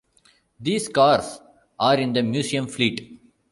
These cars are in the museum fleet.